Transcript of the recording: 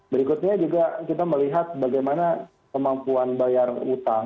berikutnya juga kita melihat bagaimana kemampuan bayar utang